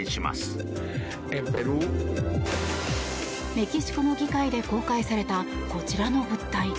メキシコの議会で公開されたこちらの物体。